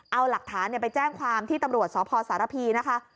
เอาหลักฐานไปแจ้งความที่ตำรวจสพสารพีนะคะ